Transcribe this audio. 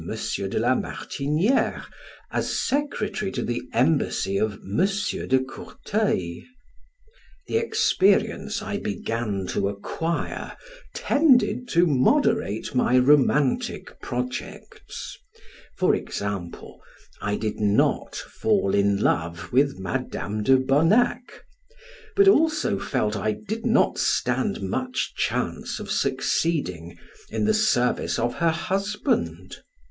de Martiniere as secretary to the embassy of M. de Courtellies. The experience I began to acquire tended to moderate my romantic projects; for example, I did not fall in love with Madam de Bonac, but also felt I did not stand much chance of succeeding in the service of her husband.